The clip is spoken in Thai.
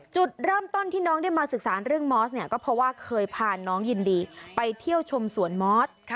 จุดเริ่มต้นที่น้องได้มาศึกษาเรื่องมอสเนี่ยก็เพราะว่าเคยพาน้องยินดีไปเที่ยวชมสวนมอส